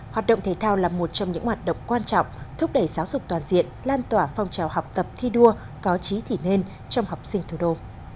hoạt động thể thao là một trong những hoạt động quan trọng thúc đẩy giáo dục toàn diện lan tỏa phong trào học tập thi đua có trí thỉ nên trong học sinh thủ đô